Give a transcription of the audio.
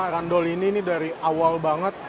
randol ini dari awal banget